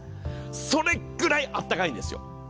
それぐらいあったかいんですよ。